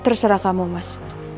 terserah kamu mas